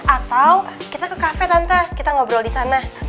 atau kita ke cafe tante kita ngobrol disana